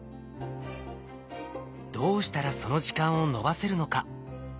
どうしたらその時間を延ばせるのか。